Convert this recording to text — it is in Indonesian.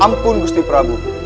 ampun gusti prabu